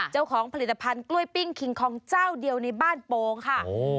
เจ้าของผลิตภัณฑ์กล้วยปิ้งคิงคองเจ้าเดียวในบ้านโปงค่ะ